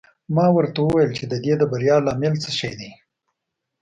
ما ورته وویل چې د دې د بریا لامل څه شی دی.